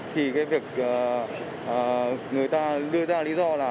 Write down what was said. thì cái việc người ta đưa ra lý do là